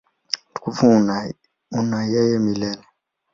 Utukufu una yeye milele.